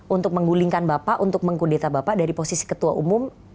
untuk menggulingkan bapak untuk mengkudeta bapak dari posisi ketua umum